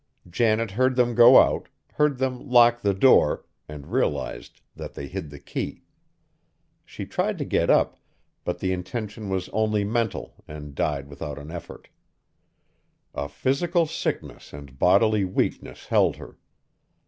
Janet heard them go out, heard them lock the door, and realized that they hid the key. She tried to get up, but the intention was only mental and died without an effort. A physical sickness and bodily weakness held her.